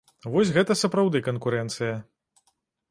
Вось гэта сапраўды канкурэнцыя.